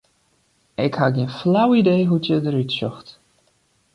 Ik ha gjin flau idee hoe't hja derút sjocht.